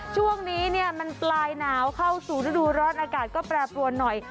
ช่วงนี้เนี่ยมันปลายหนาวเข้าสู่ฤดูร้อนอากาศก็แปรปรวนหน่อย